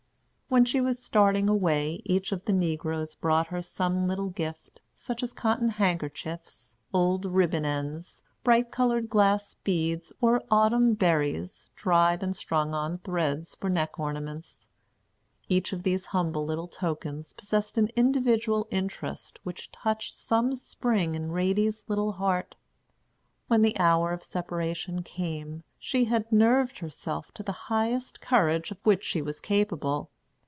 When she was starting away, each of the negroes brought her some little gift, such as cotton handkerchiefs, old ribbon ends, bright colored glass beads, or autumn berries, dried and strung on threads for neck ornaments. Each of these humble little tokens possessed an individual interest which touched some spring in Ratie's little heart. When the hour of separation came, she had nerved herself to the highest courage of which she was capable.